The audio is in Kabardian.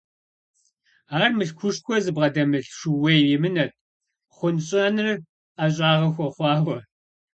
Ар мылъкушхуэ зыбгъэдэмылъ шууей емынэт, хъунщӀэныр ӀэщӀагъэ хуэхъуауэ.